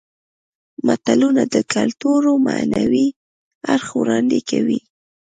متلونه د کولتور معنوي اړخ وړاندې کوي